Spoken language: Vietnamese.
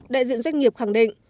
đại diện doanh nghiệp khẳng định